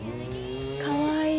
かわいい。